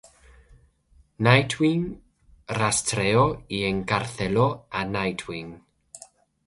Nightwing rastreó y encarceló a Nite-Wing.